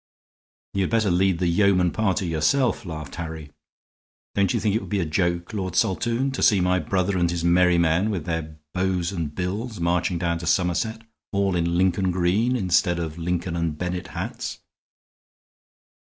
"You'd better lead the yeoman party yourself," laughed Harry. "Don't you think it would be a joke, Lord Saltoun, to see my brother and his merry men, with their bows and bills, marching down to Somerset all in Lincoln green instead of Lincoln and Bennet hats?"